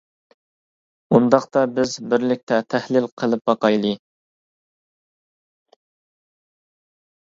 ئۇنداقتا بىز بىرلىكتە تەھلىل قىلىپ باقايلى.